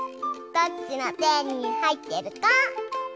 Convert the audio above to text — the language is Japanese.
どっちのてにはいってるか？